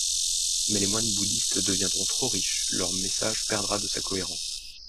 Mais les moines bouddhistes deviendront trop riches, leur message perdra de sa cohérence.